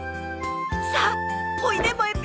さあおいでもえＰ